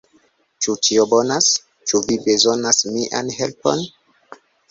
"Ĉu ĉio bonas? Ĉu vi bezonas mian helpon?"